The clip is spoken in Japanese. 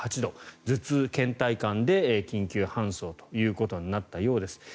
頭痛、けん怠感で緊急搬送ということになったようです。